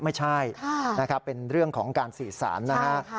ไม่ใช่เป็นเรื่องของการศีรษณ์